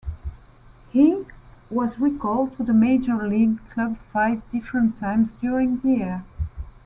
He was recalled to the major league club five different times during the year.